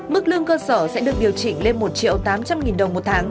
mức lương cơ sở sẽ được điều chỉnh lên một triệu tám trăm linh nghìn đồng một tháng